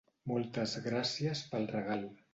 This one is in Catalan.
Moltes gràcies pel regal.